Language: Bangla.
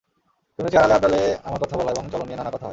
শুনেছি, আড়ালে-আবডালে আমার কথা বলা এবং চলন নিয়ে নানা কথা হয়।